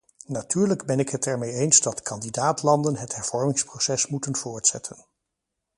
Natuurlijk ben ik het ermee eens dat kandidaat-landen het hervormingsproces moeten voortzetten.